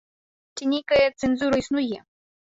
Ці нейкая цэнзура існуе?